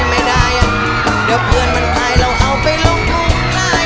ไม่ได้อ่ะเดี๋ยวเพื่อนมันตายเราเอาไปลงทุนได้